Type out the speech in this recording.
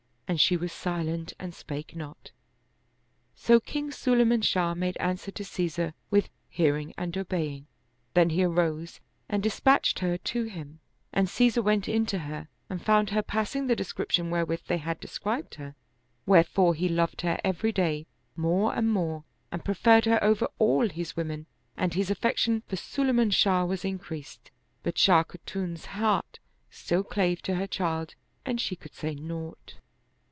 And she was silent and spake not. So King Sulayman Shah made answer to Caesar with " Hearing and obeying." Then he arose and dispatched her to him, and Caesar went in to her and found her passing the description wherewith they had described her ; wherefore he loved her every day more and more and preferred her over all his women and his affection for Sulayman Shah was in creased ; but Shah Katun's heart still clave to her child and she could say naught.